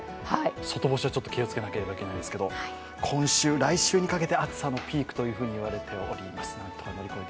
外干しは気をつけなければいけないですけど今週、来週にかけて暑さのピークといわれています。